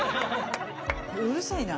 うるさいな。